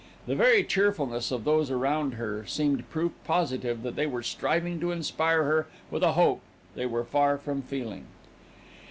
The very cheerfulness of those around her seemed proof positive that they were striving to inspire her with a hope they were far from feeling.